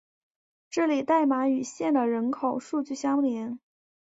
在这里代码与县的人口数据相连。